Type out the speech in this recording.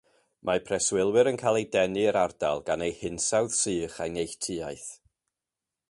Mae preswylwyr yn cael eu denu i'r ardal gan ei hinsawdd sych a'i neilltuaeth.